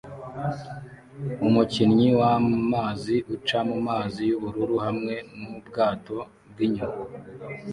Umukinnyi wamazi uca mumazi yubururu hamwe nubwato bwinyuma